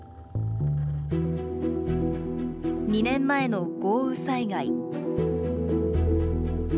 ２年前の豪雨災害。